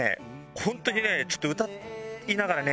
本当にねちょっと歌いながらね